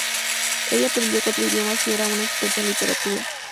Ella aprendió cuatro idiomas y era una experta en literatura.